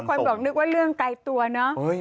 คนบอกนึกว่าเรื่องไกลตัวเนอะ